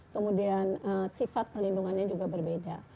kemudian sifat perlindungannya juga berbeda